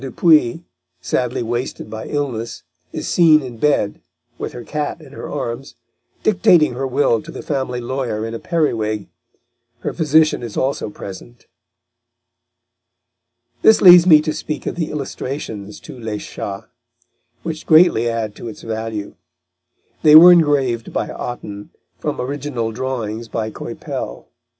Dupuy, sadly wasted by illness, is seen in bed, with her cat in her arms, dictating her will to the family lawyer in a periwig; her physician is also present. This leads me to speak of the illustrations to Les Chats, which greatly add to its value. They were engraved by Otten from original drawings by Coypel.